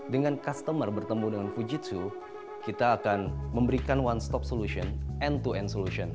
dengan customer bertemu dengan fujitsu kita akan memberikan one stop solution end to end solution